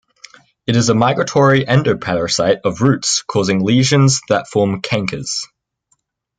It is a migratory endoparasite of roots, causing lesions that form cankers.